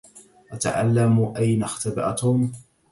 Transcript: أتعلم أين اختبأ توم؟